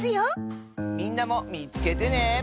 みんなもみつけてね。